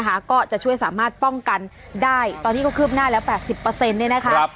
นะคะก็จะช่วยสามารถป้องกันได้ตอนนี้ก็คืบหน้าแล้วแปดสิบเปอร์เซ็นต์เนี่ยนะคะ